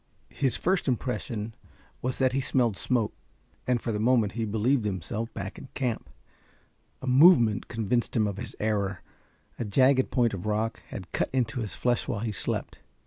His first impression was that he smelled smoke, and for the moment he believed himself back in camp. A movement convinced him of his error. A jagged point of rock had cut into his flesh while he slept.